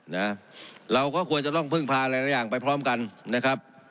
นะเราก็ควรจะต้องพึ่งพาหลายอย่างไปพร้อมกันนะครับ